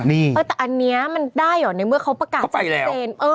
แต่อันนี้มันได้เหรอในเมื่อเขาประกาศ